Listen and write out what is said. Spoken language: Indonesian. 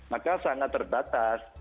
mereka sangat terbatas